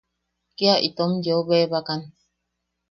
Kia itom yeu bebakan.